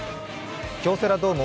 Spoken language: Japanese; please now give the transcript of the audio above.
京セラドーム